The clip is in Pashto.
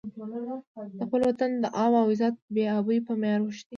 د خپل وطن د آب او عزت بې ابۍ په معیار اوښتی.